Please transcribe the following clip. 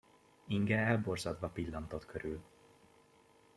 Inge elborzadva pillantott körül.